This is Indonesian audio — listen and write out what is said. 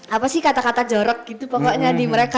apa sih kata kata jorok gitu pokoknya di mereka